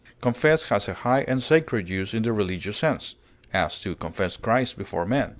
Confess has a high and sacred use in the religious sense; as, to confess Christ before men.